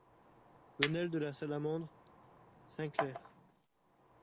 Venelle de la Salamandre, Saint-Clair